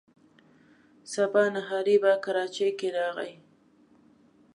سبا نهاری په کراچۍ کې راغی.